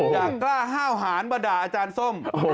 อยากกล้าห้าวหานมาด่าอาจารย์ส้ม